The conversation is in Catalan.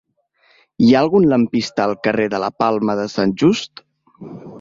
Hi ha algun lampista al carrer de la Palma de Sant Just?